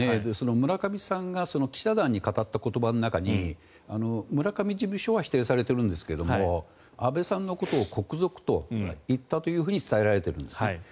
村上さんが記者団に語った言葉の中に村上事務所は否定されているんですけれども安倍さんのことを国賊と言ったというふうに伝えられています。